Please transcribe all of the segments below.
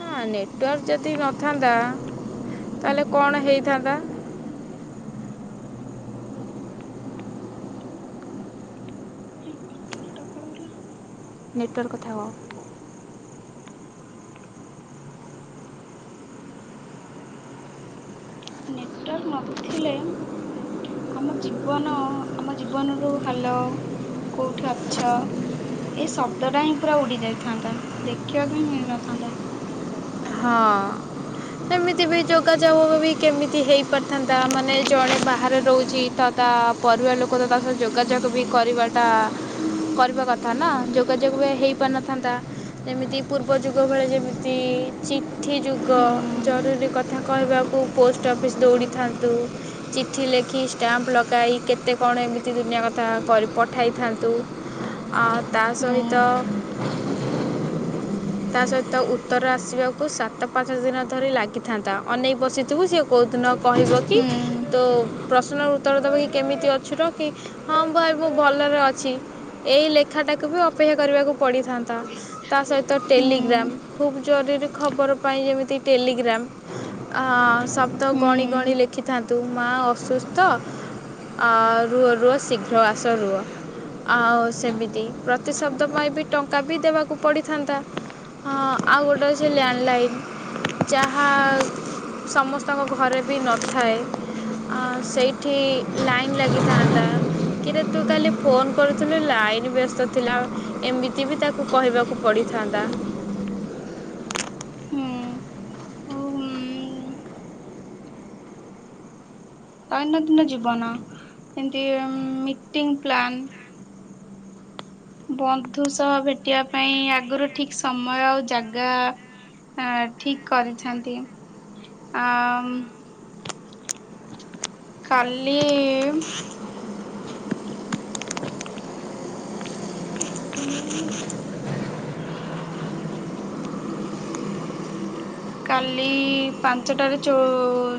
ହଁ ନେଟୱାର୍କ ଯଦି ନଥାନ୍ତା ତାହେଲେ କଣ ହେଇଥାନ୍ତା। ଆଟାଜଟା କୁଆଡ଼େ ଗଲା? ନେଟୱାର୍କ କଥା କ ନେଟୱାର୍କ ନଥିଲେ ଆମ ଜୀବନ ଆମ ଜୀବନରୁ ହାଲୋ କୋଉଠି ଅଛ? ଏଇ ଶବ୍ଦ ଟା ହିଁ ପୁରା ଉଡି ଯାଇଥାନ୍ତା ଦେଖିବାକୁ ହିଁ ମିଳିନଥାନ୍ତା । ହଁ। ସେମିତି ବି ଯୋଗାଯୋଗ ବି କେମିତି ହେଇ ପାରିଥାନ୍ତା? ମାନେ ଜଣେ ବାହାରେ ରହୁଛି ତ ତା ପରିବାର ଲୋକ ତ ତା ସହ ଯୋଗାଯୋଗ ବି କରିବାଟା କରିବା କଥା ନା ଯୋଗାଯୋଗ ବି ହେଇପାରିନଥାନ୍ତା । ଯେମିତି ପୂର୍ବ ଯୁଗ ଭଳିଆ ଯେମିତି ଚିଠି ଯୁଗ ହୁଁ ଜରୁରୀ କଥା କହିବାକୁ ପୋଷ୍ଟ ଅଫିସ୍ ଦୌଡ଼ିଥାନ୍ତୁ । ଚିଠି ଲେଖି ଷ୍ଟାମ୍ପ ଲଗାଇ କେତେ କଣ ଏମିତି ଦୁନିଆ କଥା କରି ପଠାଇଥାନ୍ତୁ । ଆଉ ତା ହୁଁ ସହିତ ତା ସହିତ ଉତ୍ତର ଆସିବାକୁ ସାତ ପାଞ୍ଚ ଦିନ ଧରି ଲାଗିଥାନ୍ତା, ଅନେଇ ବସିଥିବୁ ସିଏ କୋଉ ଦିନ କହିବ କି ହୁଁ ତୋ ପ୍ରଶ୍ନର ଉତ୍ତର ଦବ କି କେମିତି ଅଛୁର କି ହଁ ବା ଭଲରେ ଅଛି ଏଇ ଲେଖାଟାକୁ ବି ଅପେକ୍ଷା କରିବାକୁ ପଡ଼ିଥାନ୍ତା ତା ସହି ହୁଁ ଟେଲିଗ୍ରାମ୍ ଖୁବ୍ ଜରୁରୀ ଖବର ପାଇଁ ଯେମିତି ଟେଲିଗ୍ରାମ୍ ଆ ଶବ୍ଦ ହୁଁ ଗଣି ଗଣି ଲେଖିଥାନ୍ତୁ ମା ଅସୁସ୍ଥ ଆ ରୁହ ରୁହ ଶୀଘ୍ର ଆସ ରୁହ। ଆଉ ସେମିତି ପ୍ରତି ଶବ୍ଦ ପାଇଁ ବି ଟଙ୍କା ବି ଦେବାକୁ ପଡିଥାନ୍ତା । ହଁ ଆଉ ଗୋଟେ ଅଛି ଲ୍ୟାଣ୍ଡ ଲାଇନ ଯାହା ସମସ୍ତଙ୍କ ଘରେ ବି ନଥାଏ । ଆ ସେଇଠି ଲାଇନ୍ ଲାଗିଥାନ୍ତା । କିରେ ତୁ କାଲି ଫୋନ କରିଥିଲୁ ଲାଇନ ବ୍ୟସ୍ତ ଥିଲା ଏମିତି ବି ତାକୁ କହିବାକୁ ପଡିଥା ଥାନ୍ତା। ହୁଁ ଉଁ ଦୈନନ୍ଦିନ ଜୀବନ, ଏମିତି ମିଟିଂ ପ୍ଲାନ୍ ବନ୍ଧୁ ସହ ଭେଟିବା ପାଇଁ ଆଗରୁ ଠିକ୍ ସମୟ ଆଉ ଜାଗା ଆ ଠିକ୍ କରିଛନ୍ତି ଆ କାଲି କାଟିଦେନୀ କାଲି ପାଞ୍ଚଟାରେ ଚ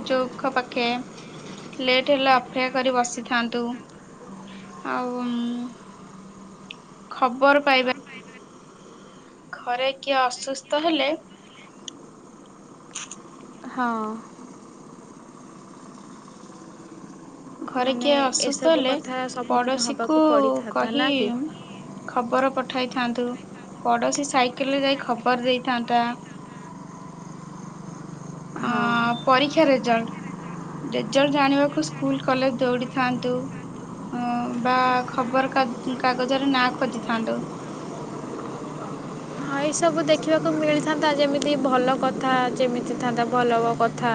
ଚୌଖ ପାଖେ ଲେଟ୍ ହେଲେ ଅପେକ୍ଷା କରି ବସିଥାନ୍ତୁ ଆଉ ଖବର ପାଇବା ଘରେ କିଏ ଅସୁସ୍ଥ ହେଲେ ହଁ। ଘରେ ମାନେ କିଏ ଅସୁସ୍ଥ ଏସବୁ ହେଲେ କଥା ସମ୍ମୁଖୀନ ପଡ଼ୋଶୀ କୁ ହେବାକୁ ପଡ଼ିଥାନ୍ତା କହି ନା କି ଖବର ପଠାଇ ଥା ଥାନ୍ତୁ ପଡ଼ୋଶୀ ସାଇକେଲରେ ଯାଇ ଖବର ଦେଇଥାନ୍ତା। [inaudible] ଅ, ହଁ ଅ, ପରୀକ୍ଷାାରେ ଜଲ୍ଟ ରେଜଲ୍ଟ ଜାଣିବାକୁ ସ୍କୁଲ କଲେଜ ଦୌଡିଥାନ୍ତୁ। ଉ ବା ଖବର କାଗ କାଗଜରେ ନାଁ ଖୋଜିଥାନ୍ତୁ। [inaudible] ହଁ ଏଇସବୁ ଦେଖିବାକୁ ମିଳିଥାନ୍ତା ଯେମିତି ଭଲ କଥା ଯେମିତି ଥାନ୍ତା ଭଲ କଥା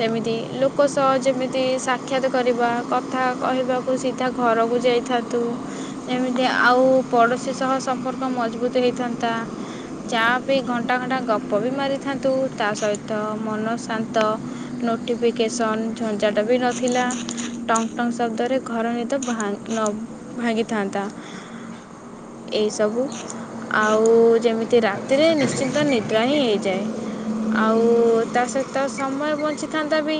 ସେମିତି ଲୋକ ସହ ଯେମିତି ସାକ୍ଷାତ କରିବା କଥା କହିବାକୁ ସିଧା ଘର କୁ ଯାଇଥାନ୍ତୁ ଯେମିତି ଆଉ ପଡ଼ୋଶୀ ସହ ସମ୍ପର୍କ ମଜବୁତ୍ ହୋଇଥାନ୍ତା। [inaudible] ଚା ପି ଘଣ୍ଟା ଘଣ୍ଟା ଗପ ବି ମାରିଥାନ୍ତୁ ତା ସହିତ ମନ ଶାନ୍ତ ନ ନୋଟିଫିକେସନ୍ ଝଞ୍ଚାଟ ବି ନଥିଲା। ଟଙ୍ଗ୍ ଟଙ୍ଗ ଶବ୍ଦରେ ଘର ନିଦ ଭା ନ ଭାଙ୍ଗିଥାନ୍ତା। ଏଇ ସବୁ ଆଉ ଯେମିତି ରାତିରେ ନିଶ୍ଚିନ୍ତ ନିଦ୍ରା ହିଁ ହେଇଯାଏ। ଆଉ ତା ସହିତ ସମୟ ବଞ୍ଚିଥାନ୍ତା ବି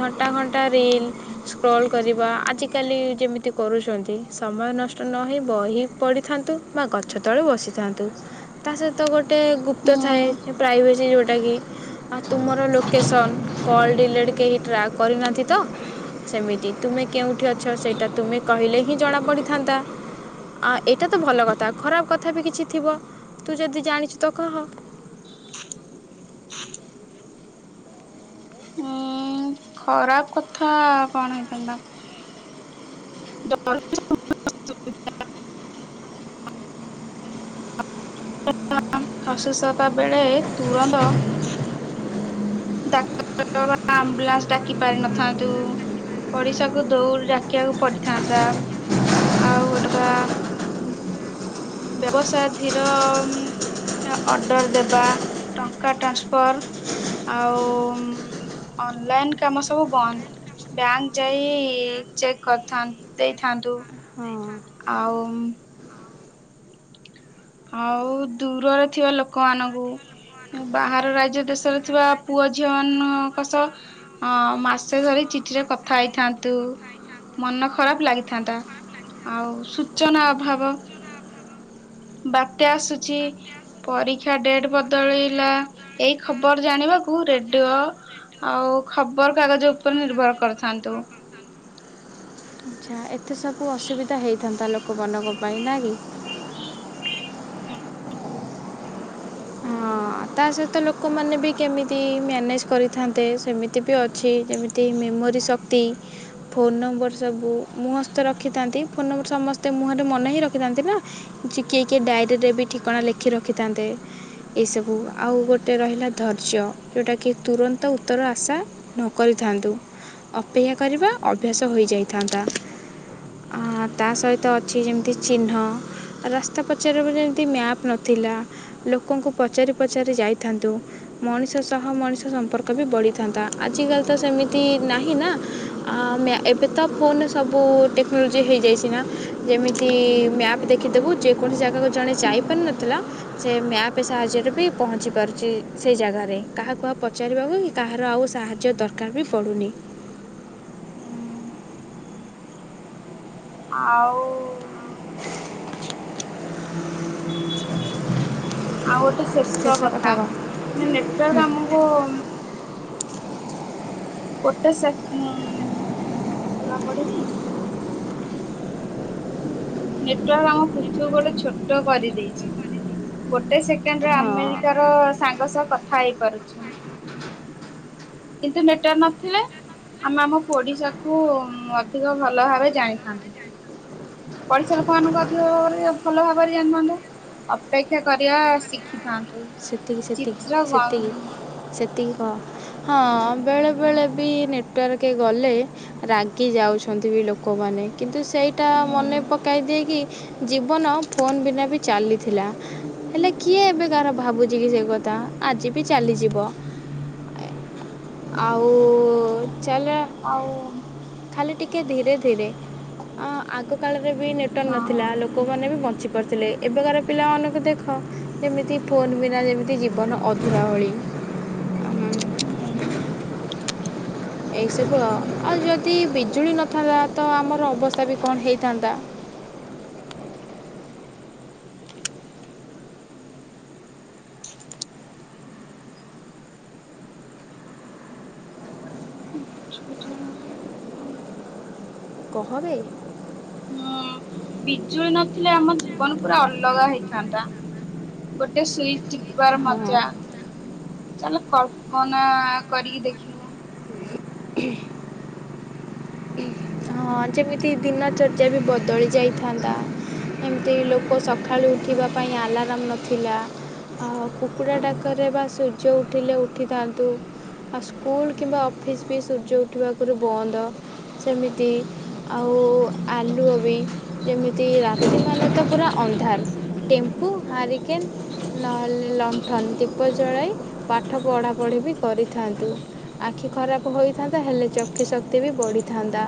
ଘଣ୍ଟା ଘଣ୍ଟା ରିଲ୍ ସ୍କ୍ରଲ୍ କରିବା ଆଜିକାଲି ଯେମିତି କରୁଛନ୍ତି ସମୟ ନଷ୍ଟ ନହୋଇ ବହି ପଢ଼ିଥାନ୍ତୁ। ବା ଗଛ ତଳେ ବସିଥାନ୍ତୁ। ତା ସହିତ ଗୋଟେ ଗୁପ୍ତ ଥାଏ ଉଁ ପ୍ରାଇଭେସି ଯେଉଁଟା କି ଆ ତୁମର ଲୋକେସନ୍ କଲ୍ ଡିଲିଟ୍ କେହି ଟ୍ରାକ୍ କରିନାହାନ୍ତି ତ ସେମିତି ତୁମେ କେଉଁଠି ଅଛ ସେଇଟା ତୁମେ କହିଲେ ହିଁ ଜଣାପଡ଼ିଥାନ୍ତା। ଆ ଏଇଟା ତ ଭଲ କଥା ଖରାପ କଥା ବି କିଛି ଥିବ। ତୁ ଯଦି ଜାଣିଛୁ ତ କହ। ଉଁ ଖରାପ କଥା କଣ ହେଇଥାନ୍ତା। [unintelligible] ଅଶୁସ୍ତା ତା ବେଳେ ତୁରନ୍ତ ଡାକ୍ତର ବା ଆମ୍ବୁଲାନ୍ସ ଡାକି ପାରିନଥାନ୍ତୁ। ପଡିଶାକୁ ଦୌଡି ଡାକିବାକୁ ପଡ଼ିଥାନ୍ତା। ଆଉ ଗୋଟେ କଥା ବ୍ୟବସାୟ ଧିର ଉ ଅର୍ଡ଼ର ଦେବା ଟଙ୍କା ଟ୍ରାନ୍ସପର୍ ଆଉ ଅନଲାଇନ୍ କାମ ସବୁ ବନ୍ଦ ବ୍ୟାଙ୍କ ଯାଇ ଚେକ୍ କରିଥ୍ତା ଦେଇଥାନ୍ତ। ତୁ ହଁ ଆଉ ଆଉ ଦୂରରେ ଥିବା ଲୋକମାନଙ୍କୁ ବାହାର ରାଜ୍ୟ ଦେଶରେ ଥିବା ପୁଅ ଝିଅ ମାନଙ୍କ ସହ ଅ ମାସେ ଧରି ଚିଠି ରେ କଥା ହେଇଥାନ୍ତୁ। ମନ ଖରାପ ଲାଗିଥାନ୍ତା ଆଉ ସୂଚନା ଅଭାବ ବାତ୍ୟା ଆସୁଛି ପରୀକ୍ଷା ଡେଟ୍ ବଦଳିଲା ଏଇ ଖବର ଜାଣିବା କୁ ରେଡିଓ ଆଉ ଖବର କାଗଜ ଉପରେ ନିର୍ଭର କରିଥାନ୍ତୁ। ଆଚ୍ଛା ଏତେ ସବୁ ଅସୁବିଧା ହେଇଥାନ୍ତା ଲୋକମାନଙ୍କ ପାଇଁ ନା କି। ହଁ। ତା ସହିତ ଲୋକମାନେ ବି କେମିତି ମ୍ୟାନେଜ କରିଥାନ୍ତେ ସେମିତି ବି ଅଛି ଯେମିତି ମୋରି ଶକ୍ତି ଫୋନ ନମ୍ବର ସବୁ ମୁଁହସ୍ତ ରଖିଥାନ୍ତି ଫୋନ ନମ୍ବର ସମସ୍ତେ ମୁହରେ ରଖିଥାନ୍ତି ନା କିଏ କିଏ ଡାଏରୀରେ ବି ଠିକଣା ଲେଖି ରଖିଥାନ୍ତେ। ଏସବୁ ଆଉ ଗୋଟେ ରହିଲା ଧୈର୍ଯ୍ୟ ଯେଉଁଟାକି ତୁରନ୍ତ ଉତ୍ତର ଆଶା ନ କରିଥା ନ୍ତୁ ଅପେକ୍ଷା କରିବା ଅଭ୍ୟାସ ହୋଇଯାଇଥାନ୍ତା। ତା ସହିତ ଅଛି ଯେମିତି ଚିହ୍ନ ରାସ୍ତା ପଚାରି ପଚାରିବ ଯେମିତି ମ୍ୟାପ ନଥିଲା ଲୋକଙ୍କୁ ପଚାରି ପଚାରି ଯାଇଥାନ୍ତୁ ମଣିଷ ସହ ମଣିଷ ସମ୍ପର୍କ ବି ବଢ଼ିଥାନ୍ତା ଆଜିକାଲି ତ ସେ ମିତି ନାହିଁ ନା ଆ ଏବେ ତ ଫୋନ ସବୁ ଟେକ୍ନୋଲୋଜି ହେଇଯାଇଚି ନା ଯେମିତି ମ୍ୟାପ ଦେଖିଦେବୁ ଯେକୌଣସି ଜାଗାକୁ ଜଣେ ଯାଇପାରୁନଥିଲା ସେ ମ୍ୟାପ ସାହାଯ୍ୟରେ ବି ପହଞ୍ଚି ପାରୁଚି ସେ ଜାଗାରେ କାହାକୁୁ ଆଉ ପଚାରିବାକୁ କି କାହାର ଆଉ ସାହାଯ୍ୟ ଦର କାର ବି ପଡୁନି। ଆଉ ଆଉ ଗୋଟେ ଶେଷ କଥା ନେ-ନେଟୱାର୍କ ଆମକୁ ଗୋଟେ ସେକେ ଉଁ ପୂରା ପଢିବି? ନେଟୱାର୍କ ଆମ ପୃଥିବିକୁ ଗୋଟେ ଛୋଟ କରିଦେଇଚି । ଗୋଟେ ସେକେଣ୍ଡରେ ହଁ ଆମେରିକାର ସାଙ୍ଗ ସହ କଥା ହେଇ ପାରୁଚୁଁ । କିନ୍ତୁ ନେଟୱର୍କ ନଥିଲେ ଆମେ ଆମ ପଡିଶା କୁ ଅଧିକ ଭଲ ଭାବେ ଜାଣିଥାନ୍ତୁ। ପଡିଶା ଲୋକ ମାନଙ୍କୁ ଅଧିକ ଭାବରେ ଭଲ ଭାବରେ ଜାଣିଥାନ୍ତୁ। ଅପେକ୍ଷା କରିବା ଶିଖିଥାନ୍ତୁ। ସେତିକି ସେତିକି ଚିତ୍ର ଗ ସେତିକି ସେତିକି ହଁ ହଁ ବେଳେ ବେଳେ ବି ନେଟୱା ର୍କେ ଗଲେ ରାଗି ଯାଉଚନ୍ତି ବି ଲୋକମାନେ କିନ୍ତୁ ସେଇଟା ହୁଁ ମନେ ପକାଇ ଦିଏକି ଜୀବନ ଫୋନ୍ ବିନା ବି ଚାଲିଥିଲା ହେଲେ କିଏ ଏବେ କାହାର ଭାବୁଚି କି ସେ କଥା ଆଜି ବି ଚାଲିଯିବ। ଆଉ ଚାଲ ଆଉ ଖାଲି ଟିକେ ଧରେ ଧୀରେ ଆ -ଆଗ କାଳରେ ବି ନେଟୱର୍କ ନଥିଲା ହଁ ଲୋକମାନେବି ବଞ୍ଚି ଲେ ଏବେକାର ପିଲାମାନଙ୍କୁ ଦେଖ ଯେମିତି ଫୋନ ବିନା ଯେମିତି ଜୀବନ ଅଧୁରା ଭଳି। ଆମ [unintelligible] ଏଇସବୁ ଆଉ, ଆଉ ଯଦି ବିଜୁଳି ନଥାନ୍ତା ତ ଆମର ଅବସ୍ଥା ବି କଣ ହେଇଥାନ୍ତା। [inaudible] [unintelligible] କହବେ ହୁଁ ବିଜୁଳି ନଥିଲେ ଆମ ଜୀବନ ପୁରା ଅଲଗା ହେଇଥାନ୍ତା। ଗୋଟେ ସୁଇଚ ଟିପିବାର ମଜା। ହଁ ଚାଲ କଳ୍ପନା କରିକି ଦେଖିବୁ। ହଁ ଯେମିତି ଦିନଚର୍ଯ୍ୟା ବି ବଦଳି ଯାଇଥାନ୍ତା। ଏମିତି ଲୋକ ସକାଳୁ ଉଠିବା ପାଇଁ ଆଲାର୍ମ ନଥିଲା। ଆଉ କୁକୁଡ଼ା ଡାକରେ ବା ସୂର୍ଯ୍ୟ ଉଠିଲେ ଉଠିଥାନ୍ତୁ। ଆଉ ସ୍କୁଲ କିମ୍ବା ଅଫିସ୍ ବି ସୂର୍ଯ୍ୟ ଉଠିବା ଆଗରୁ ବନ୍ଦ ସେମିତି ଆଉ ଆଲୁଅ ବି ଯେମିତି ରାତିମାନେ ତ ପୁରା ଅନ୍ଧାର। ଟେମ୍ପୁ ହାରିକିନି ନହେଲେ ଲଣ୍ଠନ ଦୀପ ଜଳାଇ ପାଠ ପଢ଼ାପଢ଼ି ବି କରିଥାନ୍ତୁ। ଆଖି ଖରାପ ହୋଇଥାନ୍ତା ହେଲେ ଚକ୍ଷୁ ଶକ୍ତି ବି ବଢ଼ିଥାନ୍ତା।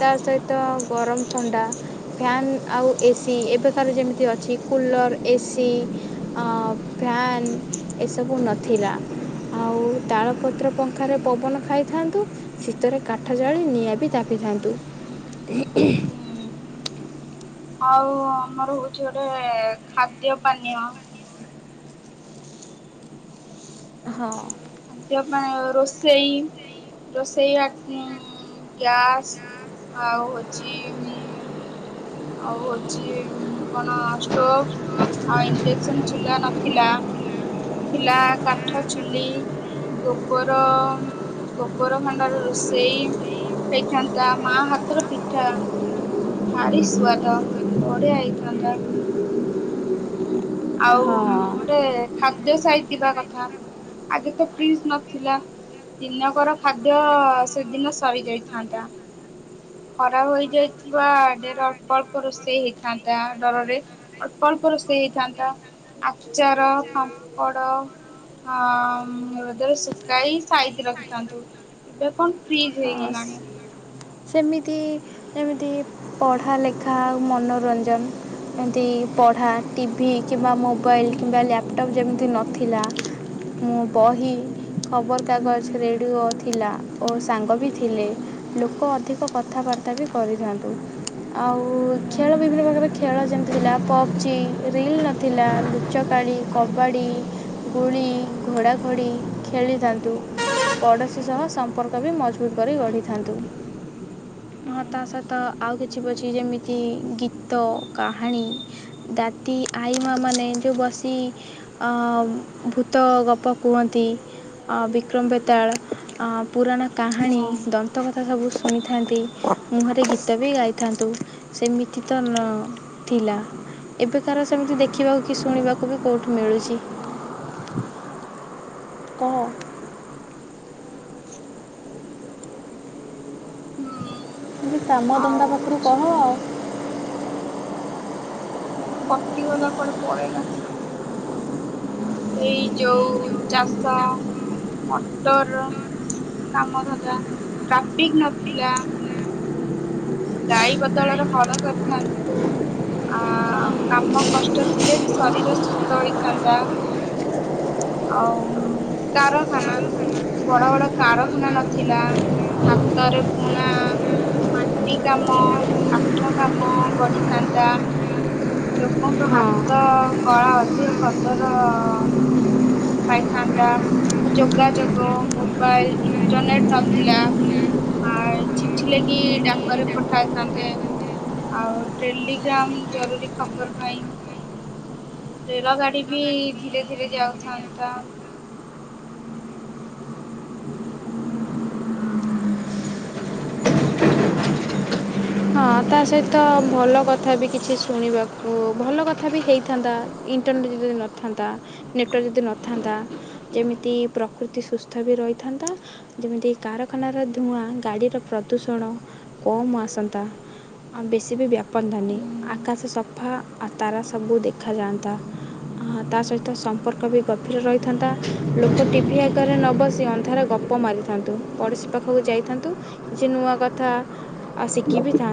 ତା ସହିତ ଗରମ ଥଣ୍ଡା। ଫ୍ୟାନ୍ ଆଉ ଏସିି ଏବେକାର ଯେମିତି ଅଛି କୁଲର୍ ଏସି ଆଁ ଫ୍ୟାନ୍ ଏସବୁ ନଥିଲା । ଆଉ ତାଳପତ୍ର ପଙ୍ଖାରେ ପବନ ଖାଇଥାନ୍ତୁ । ଶୀତରେ କାଠ ଜାଳି ନିଆଁ ବି ଜାଳି ପିଥାନ୍ତୁ। ହୁଁ ଆଉ ଆମର ହଉଛି ଗୋଟେ ଖାଦ୍ୟ ପାନୀୟ ହଁ। ଖାଦ୍ୟ ପାଇଁ ରୋଷେଇ ରୋଷେଇ ଗ୍ୟାସ୍ ଆଉ ହଉଛି ଆଉ ହଉଛି କଣ ଷ୍ଟୋଭ ଆଉ ଇଣ୍ଡେକ୍ସନ ଚୁଲା ନଥିଲା । ଥିଲା କାଠ ଚୁଲି ଗୋବର ଗୋବର ଖଣ୍ଡ ର ରୋଷେଇ ହେଇଥାନ୍ତା ମା ହାତର ପିଠା ଭାରି ସୁଆଦ ବଢିଆ ହେଇଥାନ୍ତା। ଆଉ ହଁ ଗୋଟେ ଖାଦ୍ୟ ସାଇଥିବା କଥା ଆଗେ ତ ଫ୍ରିଜ ନଥିଲା। ଦିନକର ଖାଦ୍ୟ ସେଦିନ ସରି ଯାଇଥାନ୍ତା। ଖରା ହେଇଯାଇଥିବା ଦେଡର ଅଳ୍ପ ଅଳ୍ପ ରୋଷେଇ ହେଇଥାନ୍ତା ଡରରେ ଅଳ୍ପ ଅଳ୍ପ ରୋଷେଇ ହେଇଥାନ୍ତା ଆଚାର ପାମ୍ପଡ଼ ହଁ ରଦରେ ଶୁଖାଇ ସାଇତି ରଖିଥାନ୍ତୁ। ଏବେ କଣ ଫ୍ରିଜ୍ ହଁ ହେଇଗଲାଣି ସେମିତି ଏମିତି ପଢ଼ା ଲେଖା ଆଉ ମନୋରଞ୍ଜନ୍ ଏମିତି ପଢ଼ା ଟିଭି କିମ୍ବା ମୋବାଇଲ କିମ୍ବା ଲ୍ୟାପଟପ୍ ଯେମିତି ନଥିଲା ମୁଁ ବହି ଖବରକାଗଜ ରେଡିଓ ଥିଲା ଓ ସାଙ୍ଗ ବି ଥିଲେ ଲୋକ ଅଦ୍ ଅଧିକ କଥାବାର୍ତ୍ତା ବି କରିଥାନ୍ତୁ ଆଉ ହୁଁ ଖେଳ ବିଭିନ୍ନ ପ୍ରକାର ଖେଳ ଯେମିତି ଥିଲା ପବ୍ଜି୍ ରିଲ୍ ନଥିଲା ଲୁଚକାଳି କବାଡ଼ି ବୁଳି ଘୋଡ଼ାଘୋଡ଼ି ଖେଳିଥାନ୍ତୁ। ପଡ଼ୋଶୀ ସହ ସମ୍ପର୍କ ବି ମଜବୁତ କରି ଗଢ଼ିଥାନ୍ତୁ। ହୁଁ ହଁ ତା ସହିତ ଆଉ କିଛି ବଛି ଯେମିତି ଗୀତ କାହାଣୀ ଦାତି ଆଈ ମା ମାନେ ଯୋଉ ବସି ଭୂତ ଗପ କୁହନ୍ତି। ବିକ୍ରମ ବେତାଳ ପୁରାଣା କାହାଣୀ ହୁଁ। ଦନ୍ତ କଥା ସବୁ ଶୁଣିଥାନ୍ତି ମୁହଁରେ ଗୀତ ବି ଗାଇଥାନ୍ତୁ ସେମିତି ତ ନ ଥିଲା। ଏବେକାର ସେମିତି ଦେଖିବାକୁ କି ଶୁଣିବାକୁ ବି କୋଉଠୁ ମିଳୁଛି। କହ। ହୁଁ। କାମ ଆଉ ଧନ୍ଦା ପାଖରୁ ହଉଛି କହ। କଟି ଗଲା ପରେ ପଲେଇଲା। ଏଇ ଯୋଉ ଚାଷ ମଟର କାମଧନ୍ଦା ଟ୍ରାଫିକ ନଥିଲା। ଗାଈ ବଦଳରେ ହଳ କରିଥାନ୍ତୁ। ଆ କାମ କଷ୍ଟ ଥିଲେ ବି ଶରୀର ସୁସ୍ଥ ହୋଇଥାନ୍ତା। ଆଉ କାରଖାନା ବଡ ବଡ କାରଖାନା ନଥିଲା ହାତରେ ବୁଣା ମାଟି କାମ କାଠ କାମ ବଢ଼ିଥାନ୍ତା। ଲୋକଙ୍କ ହଁ ହାତ କଳା ଅଧିକ କଦର ଅ ପାଇଥାନ୍ତା ଯୋଗାଯୋଗ ମୋବାଇଲ ଇଣ୍ଟରନେଟ୍ ନଥିଲା। ଆ ଚିଠି ଲେଖି ଡାକରେ ପଠାଇଥାନ୍ତେ। ଆଉ ଟେଲିଗ୍ରାମ ଜରୁରୀ ଖବର ପାଇଁ ରେଳ ଗାଡି ବି ଧୀରେ ଧୀରେ ଯାଉଥାନ୍ତା। ହଁ ତା ସହିତ ଭଲ କଥା ବି କିଛି ଶୁଣିବାକୁ ଭଲ କଥା ବି ହେଇଥାନ୍ତା ଇଣ୍ଟରନେଟ୍ ଯଦି ନଥାନ୍ତା ନେଟୱାର୍କ ଯଦି ନଥାନ୍ତା ଯେମିତି ପ୍ରକୃତି ସୁସ୍ଥ ବି ରହିଥାନ୍ତା। ଯେମିତି କାରଖାନାର ଧୂଆଁ ଗାଡ଼ିର ପ୍ରଦୂଷଣ କମ୍ ଆସନ୍ତା ଆଉ ବେଶୀ ବି ବ୍ୟାପନ୍ତାନି ଆକାଶ ସଫା ଆଉ ତାରା ସବୁ ଦେଖାଯାଆନ୍ତା। ତା ସହିତ ସମ୍ପର୍କ ବି ଗଭୀର ରହିଥାନ୍ତା ଲୋକ ଟିଭି ଆଗରେ ନ ବସି ଅନ୍ଧାର ଗ ଉପ ମାରିଥାନ୍ତୁ, ପଡ଼ୋଶୀ ପାଖକୁ ଯାଇଥାନ୍ତୁ କିଛି ନୂଆ କଥା ଆଉ ଶିଖିବି ଥାନ୍ତ୍